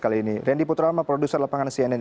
kali ini rendy putrama produser lepangan cnn